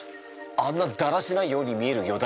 あんなだらしないように見えるよ